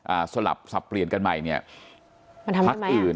อ่าสลับสับเปลี่ยนกันใหม่เนี่ยมันทำได้ไหมพักอื่น